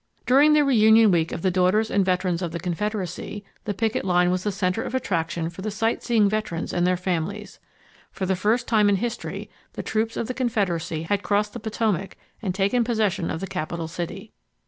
During the reunion week of the Daughters and Veterans of the Confederacy, the picket line was the center of attraction for the sight seeing veterans and their families. For the first time in history the troops of the Confederacy had crossed the Potomac and taken possession of the capital city.